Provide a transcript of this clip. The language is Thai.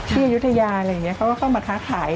อายุทยาอะไรอย่างนี้เขาก็เข้ามาค้าขาย